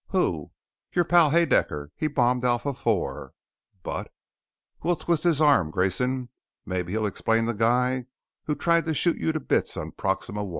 "Who?" "Your pal Haedaecker. He bombed Alpha IV!" "But ?" "We'll twist his arm, Grayson. Maybe he'll explain the guy who tried to shoot you to bits on Proxima I.